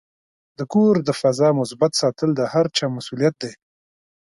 د کور د فضا مثبت ساتل د هر چا مسؤلیت دی.